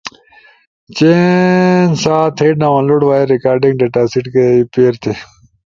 چین سا تھئی ڈاونلوڈ وائس ریکارڈنگ ڈیٹاسیٹ کئی پیر تھئی۔